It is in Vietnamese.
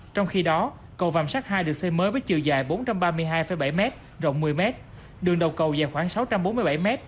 trong khi đó cầu vàm sát hai được xây mới với chiều dài bốn trăm ba mươi hai bảy m rộng một mươi m đường đầu cầu dài khoảng sáu trăm bốn mươi bảy m